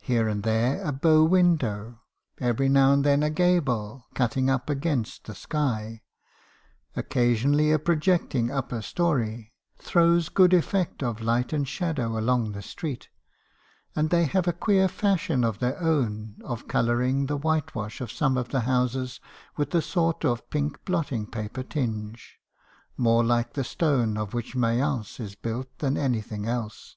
Here and there a bow window — every now and then a gable, cutting up against the sky — occasionally a projecting upper story — throws good effect of light and shadow along the street; and they have a queer fashion of their own of colouring the whitewash of some of the houses with a sort of pink blotting paper tinge, more like the stone of which Mayence is built than anything else.